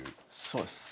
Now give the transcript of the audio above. そうです。